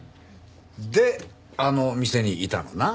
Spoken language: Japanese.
であの店にいたのな？